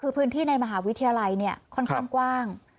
คือพื้นที่ในมหาวิทยาลัยเนี่ยค่อนข้างกว้าง